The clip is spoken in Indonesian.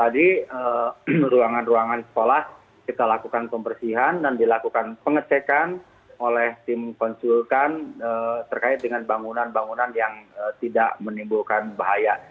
jadi ruangan ruangan sekolah kita lakukan pembersihan dan dilakukan pengecekan oleh tim konsulkan terkait dengan bangunan bangunan yang tidak menimbulkan bahaya